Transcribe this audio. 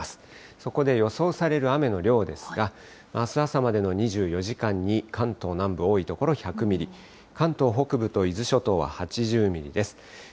そこで予想される雨の量ですが、あす朝までの２４時間に関東南部、多い所１００ミリ、関東北部と伊豆諸島は８０ミリです。